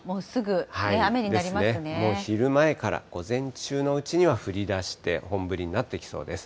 もう昼前から、午前中のうちには降りだして、本降りになってきそうです。